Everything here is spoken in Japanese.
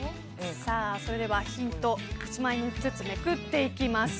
それではヒントを１枚ずつめくっていきます。